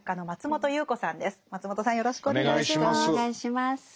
松本さんよろしくお願いします。